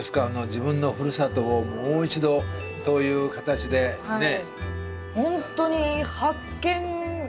自分のふるさとをもう一度という形でね。